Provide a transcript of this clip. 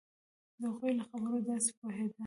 د هغوی له خبرو داسې پوهېده.